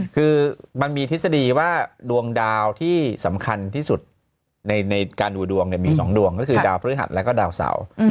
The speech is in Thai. คือมันมีทฤษฎีว่าดวงดาวที่สำคัญที่สุดในการดูดวงมี๒ดวงก็คือดาวพฤหัสแล้วก็ดาวเสา